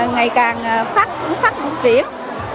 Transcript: ngày càng phát truyển